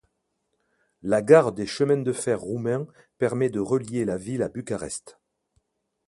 La gare des Chemins de fer roumains permet de relier la ville à Bucarest.